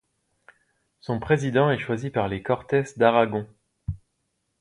Son président est choisi par les Cortes d'Aragon.